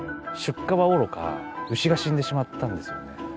出荷はおろか牛が死んでしまったんですよね。